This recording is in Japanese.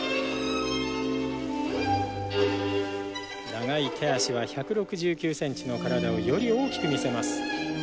長い手足は１６９センチの体をより大きく見せます。